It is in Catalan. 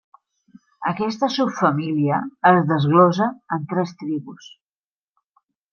Aquesta subfamília es desglossa en tres tribus.